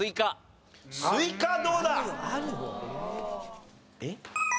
スイカどうだ？えっ？